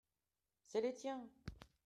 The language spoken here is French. c'est les tiens.